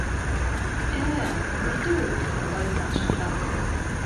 — Ә-ә, үлде ул, — тине Айыухан, шатланып.